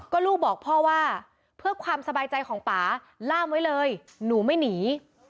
ก็ลูกบอกพ่อว่าเพื่อความสบายใจของป่าล่ามไว้เลยหนูไม่หนี